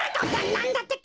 なんだってか？